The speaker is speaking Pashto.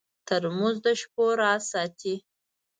ترموز د شپو راز ساتي.